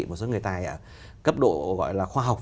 một số người tài ở cấp độ khoa học